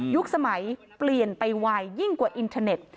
สมัยเปลี่ยนไปไวยิ่งกว่าอินเทอร์เน็ต